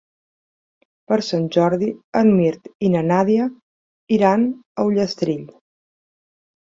Per Sant Jordi en Mirt i na Nàdia iran a Ullastrell.